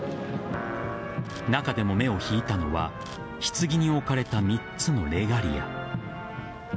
中でも目を引いたのは棺に置かれた３つのレガリア。